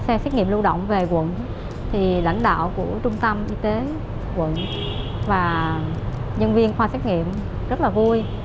khi xe xét nghiệm lưu động về quận thì lãnh đạo của trung tâm y tế quận và nhân viên khoa xét nghiệm rất là vui